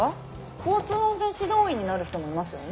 交通安全指導員になる人もいますよね。